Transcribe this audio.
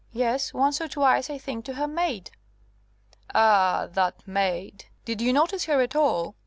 Yes, once or twice, I think, to her maid." "Ah! that maid. Did you notice her at all?